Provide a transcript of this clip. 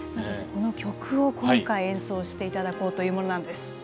この曲を今回演奏していただこうというものなんです。